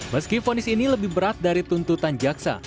meski fonis ini lebih berat dari tuntutan jaksa